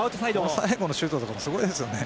最後のシュートもすごいですね。